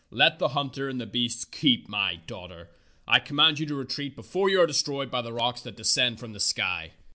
Let the hunter and the beasts keep my daughter. I command you to retreat before you are 104 Fairy Tale Foxes destroyed by the rocks that descend on us from the sky."